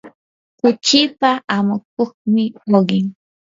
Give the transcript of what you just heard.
kuchipa amukuqnin uqim.